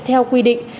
theo quy định